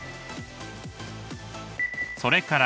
それから